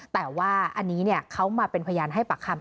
แต่ว่าอันนี้เขามาเป็นพยานให้ปากคำ